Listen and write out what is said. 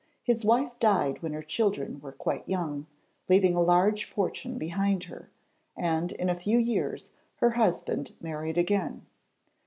His wife died when her children were quite young, leaving a large fortune behind her, and in a few years her husband married again.